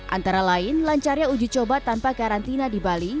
antara lain lancarnya uji coba tanpa karantina di bali